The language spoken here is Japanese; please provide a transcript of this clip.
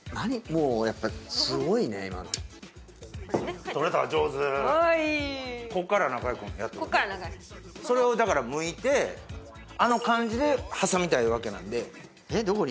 もうやっぱすごいね今のこれね取れた上手こっから中居さんそれをだからむいてあの感じで挟みたいわけなんでえっ